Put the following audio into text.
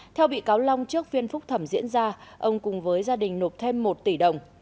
theo bị cáo long trước phiên phúc thẩm diễn ra ông cùng với gia đình nộp thêm một tỷ đồng